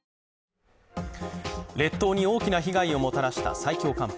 列島に大きな被害をもたらした最強寒波。